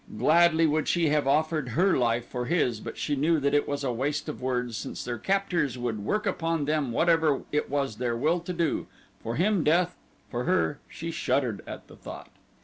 Gladly would she have offered her life for his but she knew that it was a waste of words since their captors would work upon them whatever it was their will to do for him, death; for her she shuddered at the thought.